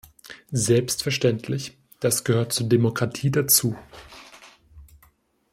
Selbstverständlich, das gehört zur Demokratie dazu.